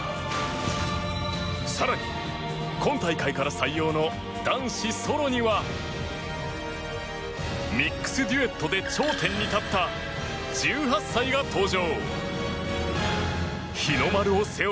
更に、今大会から採用の男子ソロにはミックスデュエットで頂点に立った１８歳が登場。